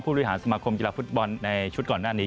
บริหารสมาคมกีฬาฟุตบอลในชุดก่อนหน้านี้